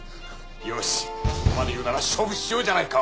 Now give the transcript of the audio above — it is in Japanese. よしそこまで言うなら勝負しようじゃないか。